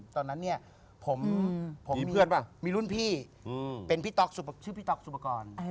ตอนนั้นผมมีรุ่นพี่เป็นพี่ต๊อกชื่อพี่ต๊อกสุปกรณ์